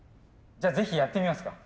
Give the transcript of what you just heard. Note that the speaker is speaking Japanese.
じゃあぜひやってみますか？